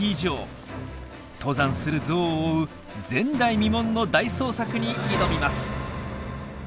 登山するゾウを追う前代未聞の大捜索に挑みます！